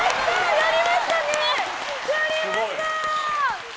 やりましたね。